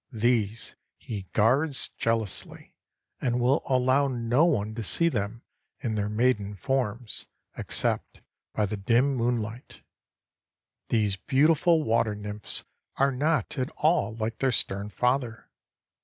These he guards jealously, and will allow no one to see them in their maiden forms except by the dim moonlight. These beautiful water nymphs are not at all like their stern father.